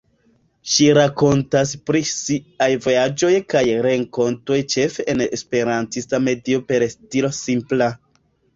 Ŝi rakontas pri siaj vojaĝoj kaj renkontoj ĉefe en esperantista medio per stilo simpla.